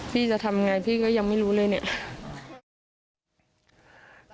พี่จะทำไงพี่ก็ยังไม่รู้เลยเนี่ย